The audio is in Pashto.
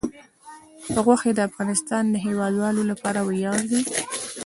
غوښې د افغانستان د هیوادوالو لپاره ویاړ دی.